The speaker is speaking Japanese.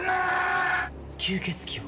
吸血鬼を？